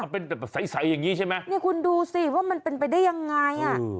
เป็นแบบใสอย่างนี้ใช่ไหมนี่คุณดูสิว่ามันเป็นไปได้ยังไงอ่ะ